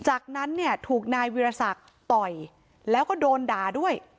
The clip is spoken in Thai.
จากนั้นเนี่ยถูกนายวิรสักต่อยแล้วก็โดนด่าด้วย